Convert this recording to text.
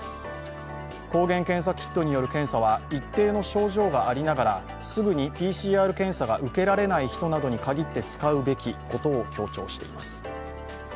抗原検査キットによる検査は一定の症状がありながらすぐにＰＣＲ検査が受けられない人などにかぎって使うべきことを強調しています。